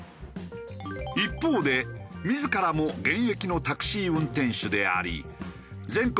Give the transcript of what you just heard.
一方で自らも現役のタクシー運転手であり全国